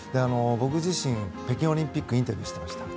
僕自身、北京オリンピックでインタビューしていました。